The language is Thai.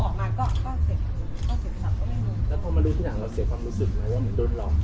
พอออกมาก็ก็เสร็จแล้วพอมาดูที่หนังเราเสียความรู้สึกไหมว่ามันโดนรองสิ